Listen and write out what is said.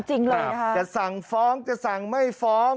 จริงเลยนะคะจะสั่งฟ้องจะสั่งไม่ฟ้อง